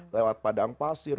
lewat padang pasir